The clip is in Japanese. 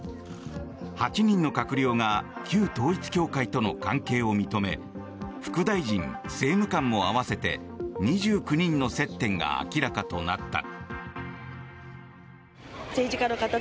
８人の閣僚が旧統一教会との関係を認め副大臣、政務官も合わせて２９人の接点が明らかとなった。